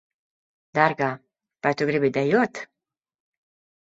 Dārgā, vai tu gribi dejot?